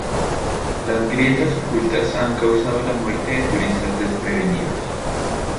Las grietas ocultas han causado la muerte de turistas desprevenidos.